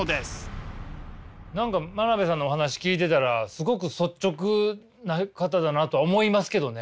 何か真鍋さんのお話聞いてたらすごく率直な方だなとは思いますけどね。